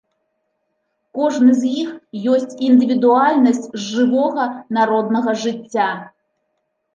Кожны з іх ёсць індывідуальнасць з жывога народнага жыцця.